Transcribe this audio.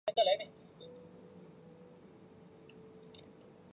埃利早年在巴西的格雷米奥接受青训。